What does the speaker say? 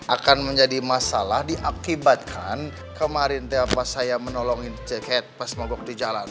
akan menjadi masalah diakibatkan kemarin teh pas saya menolong ceket pas mabuk di jalan